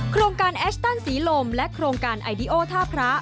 โครงการแอชตันศรีลมและโครงการไอดิโอท่าพระ